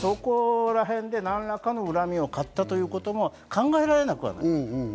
何らかの恨みをかったということも考えられなくはない。